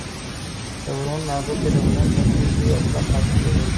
د ورون هډوکی د بدن تر ټولو لوی او کلک هډوکی دی